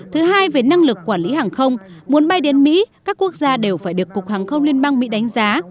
thứ hai về năng lực quản lý hàng không muốn bay đến mỹ các quốc gia đều phải được cục hàng không liên bang mỹ đánh giá